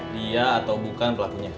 dia atau bukan pelakunya